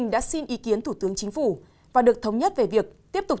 xin ý kiến thủ tướng chính phủ và được thống nhất về việc tiếp tục